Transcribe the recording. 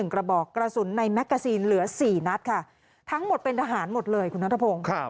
กระบอกกระสุนในแมกกาซีนเหลือ๔นัดค่ะทั้งหมดเป็นทหารหมดเลยคุณนัทพงศ์